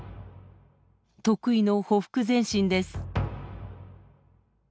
得意の「ほふく前進」です。